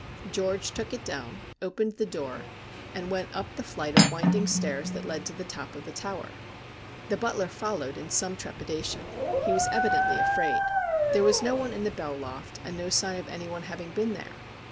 George took it down, opened the door, and went up the flight of winding stairs that led to the top of the tower. The butler followed in some trepidation. He was evidently afraid. There was no one in the bell loft, and no sign of anyone having been there.